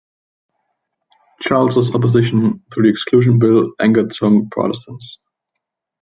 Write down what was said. Charles's opposition to the Exclusion Bill angered some Protestants.